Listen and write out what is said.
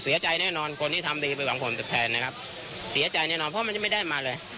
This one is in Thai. แน่นอนคนที่ทำดีไปหวังผลตอบแทนนะครับเสียใจแน่นอนเพราะมันจะไม่ได้มาเลย